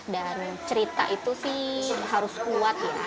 dan cerita itu sih harus kuat ya